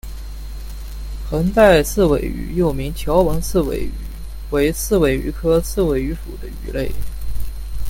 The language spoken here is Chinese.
横带刺尾鱼又名条纹刺尾鱼为刺尾鱼科刺尾鱼属的鱼类。